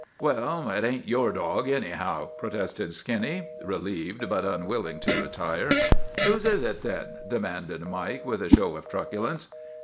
"Well, it ain't your dog, anyhow," protested Skinny, relieved but unwilling to retire. " Whose is it then? " demanded Mike with a show of truculence.